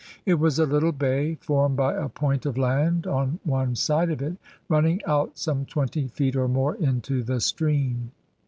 It was a little bay, formed by a point of land on one side of it, running out some twenty feet or more into the stream.